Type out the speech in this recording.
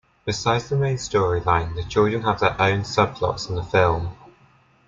Besides the main storyline, the children have their own subplots in the film.